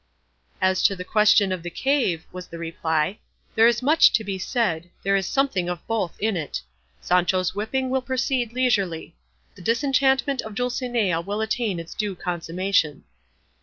"As to the question of the cave," was the reply, "there is much to be said; there is something of both in it. Sancho's whipping will proceed leisurely. The disenchantment of Dulcinea will attain its due consummation."